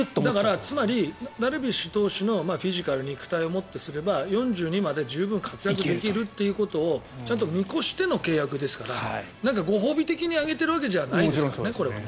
つまりダルビッシュ投手のフィジカル、肉体をもってすれば４２まで十分活躍できるということをちゃんと見越しての契約ですからご褒美的にあげてるわけじゃないですからね。